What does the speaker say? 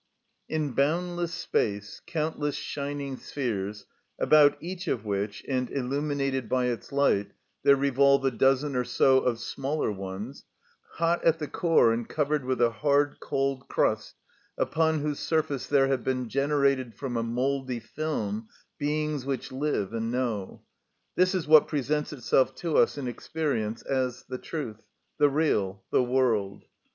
In boundless space countless shining spheres, about each of which, and illuminated by its light, there revolve a dozen or so of smaller ones, hot at the core and covered with a hard, cold crust, upon whose surface there have been generated from a mouldy film beings which live and know—this is what presents itself to us in experience as the truth, the real, the world.